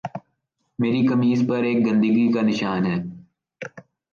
میری قمیض پر گندگی کا ایک نشان ہے